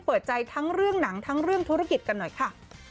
เปิดใจทั้งเรื่องหนังทั้งเรื่องธุรกิจกันหน่อยค่ะ